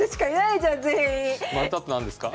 丸太って何ですか？